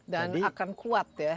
dan akan kuat ya